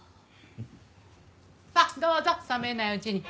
さあどうぞ冷めないうちに。